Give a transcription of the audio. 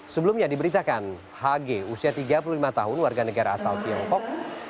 sebelumnya diberitakan hg usia tiga puluh lima tahun warga negara asal tiongkok